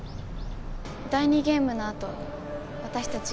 第２ゲームのあと私たち